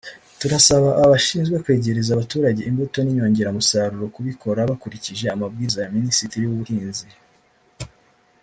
Turasaba aba bashinzwe kwegereza abaturage imbuto n’inyongeramusaruro kubikora bakurikije amabwiriza ya Minisitiri w’Ubuhinzi